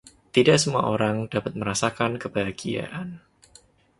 Tidak semua orang dapat merasakan kebahagiaan.